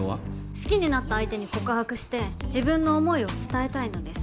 「好きになった相手に告白して自分の思いを伝えたいのです」